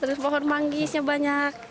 terus pohon manggisnya banyak